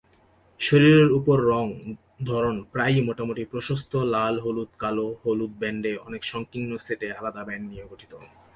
শরীরের উপর রঙ ধরন প্রায়ই মোটামুটি প্রশস্ত লাল হলুদ-কালো-হলুদ ব্যান্ড অনেক সংকীর্ণ সেটে আলাদা ব্যান্ড নিয়ে গঠিত।